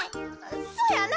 そやな。